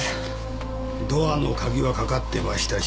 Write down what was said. ドアの鍵はかかってましたし